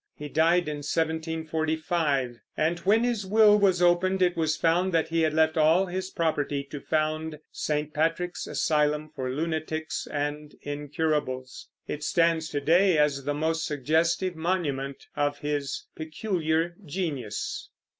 He died in 1745, and when his will was opened it was found that he had left all his property to found St. Patrick's Asylum for lunatics and incurables. It stands to day as the most suggestive monument of his peculiar genius.